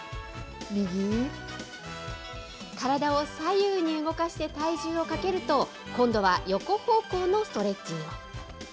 体を左右に動かして体重をかけると、今度は横方向のストレッチにも。